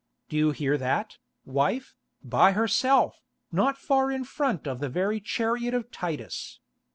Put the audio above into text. Do you hear that, wife—by herself, not far in front of the very chariot of Titus?